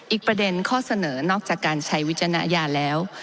อีกประเด็นข้อเสนอนอกจากการใช้วิจารณญาณแล้ว